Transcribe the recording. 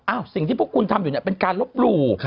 สิ่งที่พวกคุณทำอยู่เนี่ยเป็นการลบหลู่